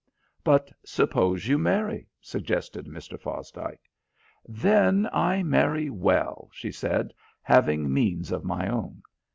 "But suppose you marry," suggested Mr. Fosdike. "Then I marry well," she said, "having means of my own.